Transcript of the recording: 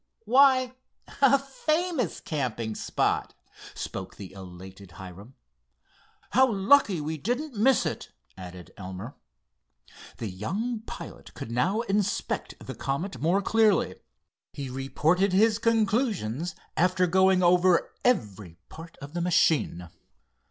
"Why, a famous camping spot," spoke the elated Hiram. "How lucky we didn't miss it," added Elmer. The young pilot could now inspect the Comet more clearly. He reported his conclusions after going over every part of the machine.